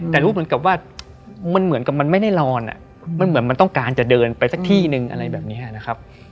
แต่รู้เหมือนกับว่ามันเหมือนกับมันไม่ได้นอนมันเหมือนมันต้องการจะเดินไปสักที่นึงอะไรแบบนี้นะครับ